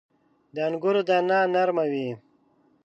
• د انګورو دانه نرمه وي.